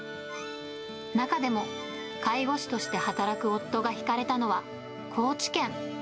中でも、介護士として働く夫が引かれたのは、高知県。